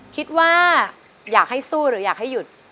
คิดว่าอยากให้สู้หรืออยากให้หยุด